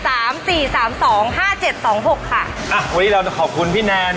อะวันนี้เราจะขอบคุณภินนาน